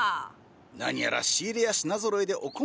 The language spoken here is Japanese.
何やら仕入れや品ぞろえでお困りだとか？